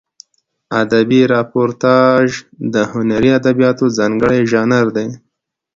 ادبي راپورتاژ د هنري ادبیاتو ځانګړی ژانر دی.